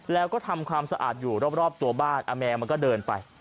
แล้วก็ทำความสะอาดอยู่รอบตัวบ้านแมวมันก็เดินไป